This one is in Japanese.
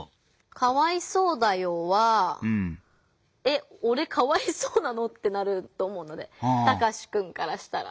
「かわいそうだよー」は「えっおれかわいそうなの？」ってなると思うのでタカシくんからしたら。